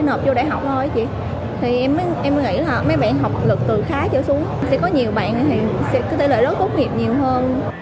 có nhiều bạn thì tỉ lệ lớp tốt nghiệp nhiều hơn